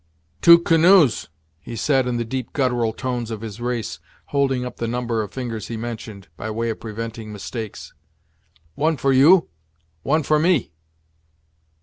"Two canoes," he said, in the deep guttural tones of his race, holding up the number of fingers he mentioned, by way of preventing mistakes; "one for you one for me."